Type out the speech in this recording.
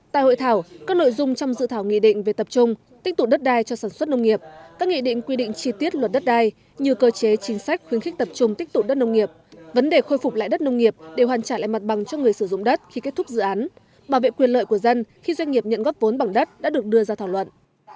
tại hội thảo các nội dung trong dự thảo nghị định về tập trung tích tụ đất đai cho sản xuất nông nghiệp các nghị định quy định chi tiết luật đất đai như cơ chế chính sách khuyến khích tập trung tích tụ đất nông nghiệp vấn đề khôi phục lại đất nông nghiệp đều hoàn trả lại mặt bằng cho người sử dụng đất khi kết thúc dự án bảo vệ quyền lợi của dân khi doanh nghiệp nhận góp vốn bằng đất đã được đưa ra thảo luận